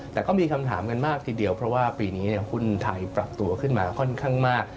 แต่ก็มีคำถามกันมากทีเดียวเพราะว่าปีนี้หุ้นไทยปรับตัวขึ้นมาค่อนข้างมาก